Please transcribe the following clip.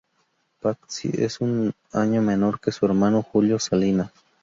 Patxi es un año menor que su hermano Julio Salinas.